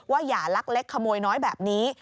อย่าลักเล็กขโมยน้อยแบบนี้